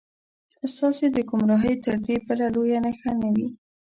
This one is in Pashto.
ستاسې د ګمراهۍ تر دې بله لویه نښه نه وي.